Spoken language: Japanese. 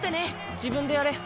自分でやれ。